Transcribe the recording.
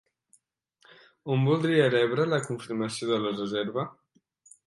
On voldria rebre la confirmació de la reserva?